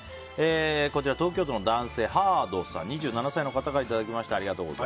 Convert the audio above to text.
東京都の男性、２７歳の方からいただきました。